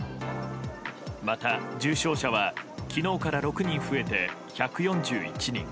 また、重症者は昨日から６人増えて１４１人。